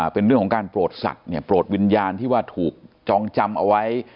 เป็นเรื่องของการโปรดสัตว์เนี่ยโปรดวิญญาณที่ว่าถูกจองจำเอาไว้